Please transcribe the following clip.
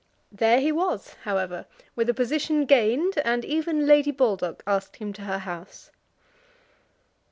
There he was, however, with a position gained, and even Lady Baldock asked him to her house.